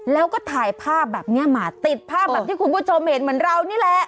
แล้วก็ถ่ายภาพแบบนี้มาติดภาพแบบที่คุณผู้ชมเห็นเหมือนเรานี่แหละ